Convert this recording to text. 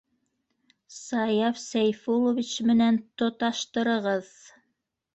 С-Саяф С-Сәйфуллович ме-менән то-таштырығыҙ!